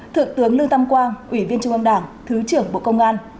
thượng tướng lưu tâm quang ủy viên trung ương đảng thứ trưởng bộ công an